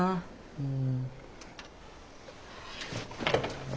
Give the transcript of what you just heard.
うん？